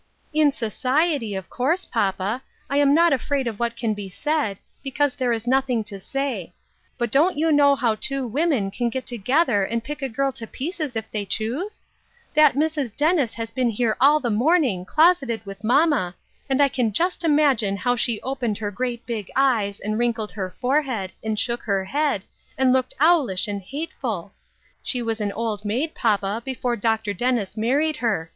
" In society, of course, papa, I am not afraid of what can be said, because there is nothing to say ; but don't you know how two women can get together and pick a girl to pieces if they choose ? That Mrs. Dennis has been here all the morning closeted with mamma, and I can just imagine how she opened her great big eyes, and wrinkled her fore head, and shook her head, and looked owlish and hateful. She was an old maid, papa, before Dr. Dennis married her.